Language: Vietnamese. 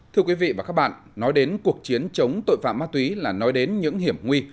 thưa quý vị và các bạn nói đến cuộc chiến chống tội phạm ma túy là nói đến những hiểm nguy